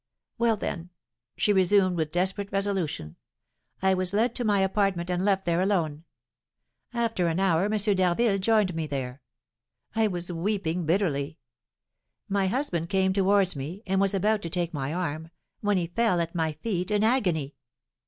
Well, then," she resumed, with desperate resolution, "I was led to my apartment and left there alone; after an hour M. d'Harville joined me there. I was weeping bitterly. My husband came towards me, and was about to take my arm, when he fell at my feet in agony.